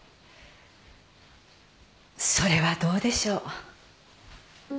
それはどうでしょう？